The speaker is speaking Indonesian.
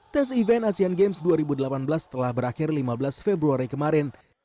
tes event asian games dua ribu delapan belas telah berakhir lima belas februari kemarin